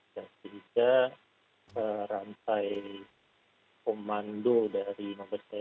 dan sehingga rantai komando dari mabes tni